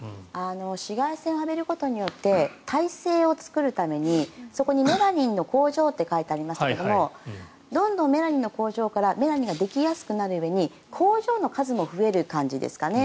紫外線を浴びることによって耐性を作るためにそこにメラニンの工場って書いてありますけれどどんどんメラニンの工場からメラニンができやすくなるように工場の数も増える感じですかね。